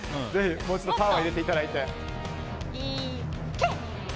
もう一度パワーを入れていただいて。